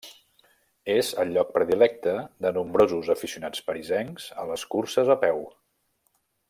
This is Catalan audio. És el lloc predilecte de nombrosos aficionats parisencs a les curses a peu.